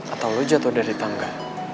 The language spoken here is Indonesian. atau lu jatuh dari tangga